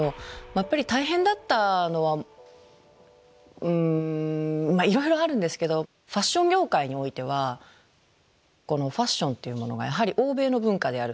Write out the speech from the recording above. やっぱり大変だったのはうんいろいろあるんですけどファッション業界においてはこのファッションっていうものがやはり欧米の文化である。